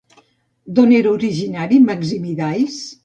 D'on era originari Maximí d'Ais?